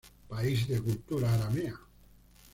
País de cultura aramea.